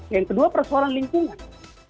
yang kedua persoalan lingkungan